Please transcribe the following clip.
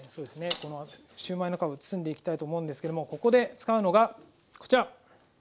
このシューマイの皮を包んでいきたいと思うんですけれどもここで使うのがこちら。